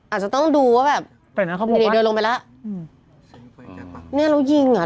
อาจจะต้องดูว่าแบบเดี๋ยวเดินลงไปล่ะอืมเนี่ยเรายิงอ่ะ